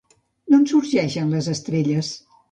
D'on sorgeixen les estrelles?